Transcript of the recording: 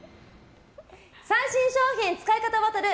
最新商品使い方バトル！